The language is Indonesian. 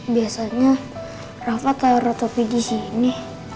biasanya rafa kalau rotopi disini